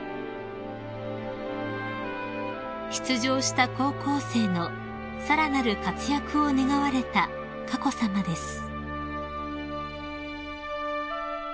［出場した高校生のさらなる活躍を願われた佳子さまです］